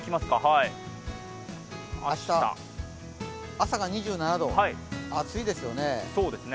朝が２７度、暑いですよね。